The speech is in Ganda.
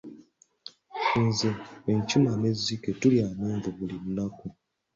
Nze, enkima n'ezzike tulya amenvu buli lunaku.